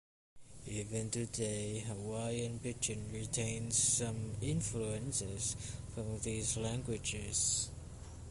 Even today, Hawaiian Pidgin retains some influences from these languages.